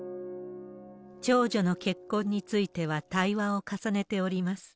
長女の結婚については対話を重ねております。